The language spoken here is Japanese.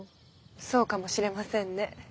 そうかもしれませんね。